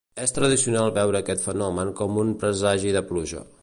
És tradicional veure aquest fenomen com un presagi de pluja.